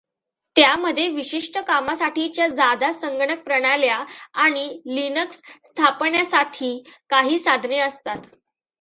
त्यामध्ये विशिष्ठ कामासाठीच्या जादा संगणकप्रणाल्या आणि लिनक्स स्थापण्यासाथी काही साधने असतात.